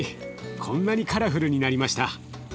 こんなにカラフルになりました。